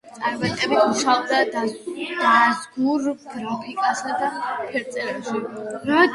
წარმატებით მუშაობდა დაზგურ გრაფიკასა და ფერწერაში.